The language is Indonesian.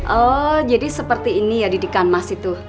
oh jadi seperti ini ya didikan mas itu